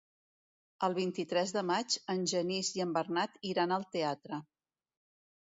El vint-i-tres de maig en Genís i en Bernat iran al teatre.